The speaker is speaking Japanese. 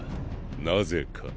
なぜか。